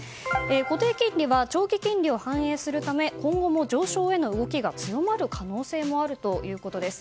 固定金利は長期金利を反映するため、今後も上昇への動きが強まる可能性もあるということです。